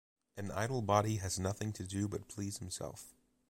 An idle body has nothing to do but please himself.